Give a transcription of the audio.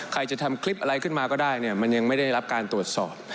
ใครจะทำคลิปอะไรขึ้นมาก็ได้เนี่ยมันยังไม่ได้รับการตรวจสอบ